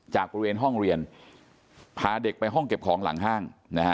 บริเวณห้องเรียนพาเด็กไปห้องเก็บของหลังห้างนะฮะ